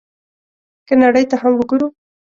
که نړۍ ته هم وګورو،